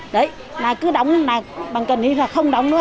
đấy cứ đóng bằng cần ý là không đóng nữa